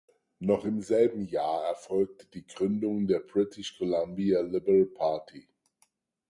Noch im selben Jahr erfolgte die Gründung der British Columbia Liberal Party.